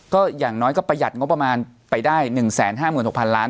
ก็อย่างน้อยก็ประหยัดงบประมาณไปได้๑๕๖๐๐ล้าน